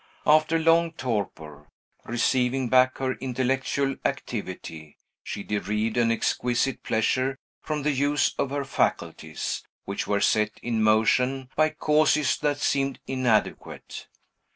After long torpor, receiving back her intellectual activity, she derived an exquisite pleasure from the use of her faculties, which were set in motion by causes that seemed inadequate.